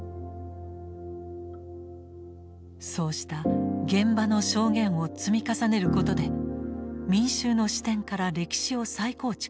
そうした現場の証言を積み重ねることで民衆の視点から歴史を再構築する。